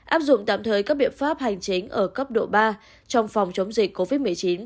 áp dụng tạm thời các biện pháp hành chính ở cấp độ ba trong phòng chống dịch covid một mươi chín